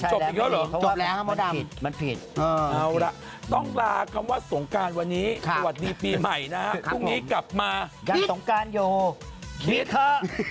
จบแล้วมันผิดเอาละต้องลากลับว่าสงการวันนี้สวัสดีปีใหม่นะครับพรุ่งนี้กลับมายังสงการอยู่คิดเถอะ